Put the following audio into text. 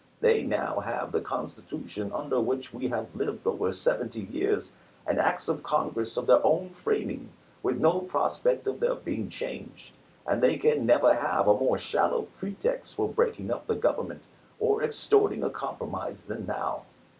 They now have the Constitution under which we have lived over seventy years, and acts of Congress of their own framing, with no prospect of their being changed ; and they can never have a more shallow pretext for breaking up the Government, or extorting a compromise, than now.